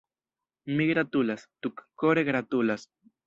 Mi gratulas, tutkore gratulas.